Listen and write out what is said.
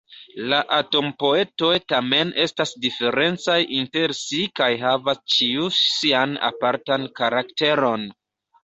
La "atom-poetoj" tamen estas diferencaj inter si kaj havas ĉiu sian apartan karakteron.